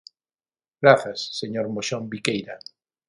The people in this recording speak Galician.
Grazas, señor Moxón Biqueira.